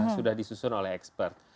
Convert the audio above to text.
sudah disusun oleh expert